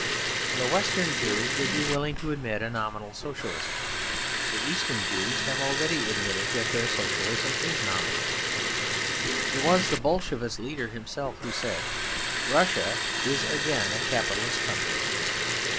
The Western Jews would be willing to admit a nominal Socialism. The Eastern Jews have already admitted that their Socialism is nominal. It was the Bolshevist leader himself who said, 'Russia is again a Capitalist country.'